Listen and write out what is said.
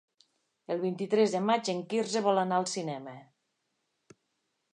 El vint-i-tres de maig en Quirze vol anar al cinema.